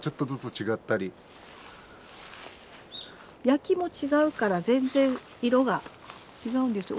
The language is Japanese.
焼きも違うから全然色が違うんです。